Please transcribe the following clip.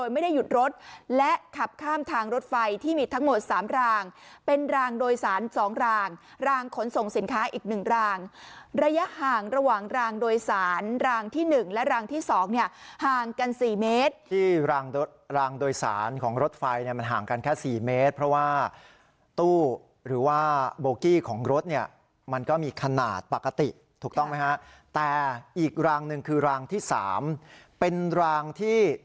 ไม่ได้หยุดรถและขับข้ามทางรถไฟที่มีทั้งหมด๓รางเป็นรางโดยสาร๒รางรางขนส่งสินค้าอีกหนึ่งรางระยะห่างระหว่างรางโดยสารรางที่๑และรางที่๒เนี่ยห่างกัน๔เมตรที่รางรถรางโดยสารของรถไฟเนี่ยมันห่างกันแค่๔เมตรเพราะว่าตู้หรือว่าโบกี้ของรถเนี่ยมันก็มีขนาดปกติถูกต้องไหมฮะแต่อีกรางหนึ่งคือรางที่๓เป็นรางที่